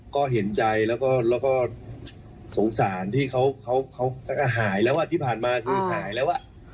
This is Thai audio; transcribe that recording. ก็เห็นใจแล้วก็สงสารที่เขาหายแล้วที่ผ่านมาคือหายแล้ว